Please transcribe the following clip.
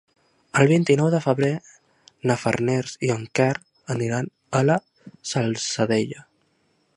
El vint-i-nou de febrer na Farners i en Quer aniran a la Salzadella.